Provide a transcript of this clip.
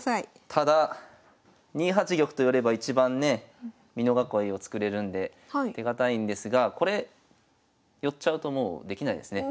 ただ２八玉と寄れば一番ね美濃囲いを作れるんで手堅いんですがこれ寄っちゃうともうできないですね。